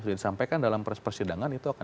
sudah disampaikan dalam persidangan itu akan